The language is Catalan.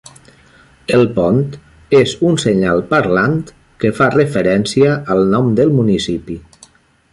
El pont és un senyal parlant que fa referència al nom del municipi.